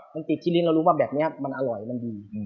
มันติดที่ลิ้นเรารู้ว่าแบบนี้มันอร่อยมันดี